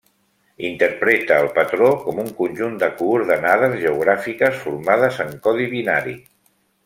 Interpreta el patró com un conjunt de coordenades geogràfiques formades en codi binari.